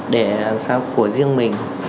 để làm sao của riêng mình